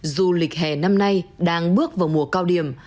du lịch hè năm nay đang bước vào mùa cao điểm